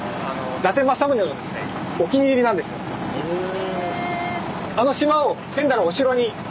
へえ。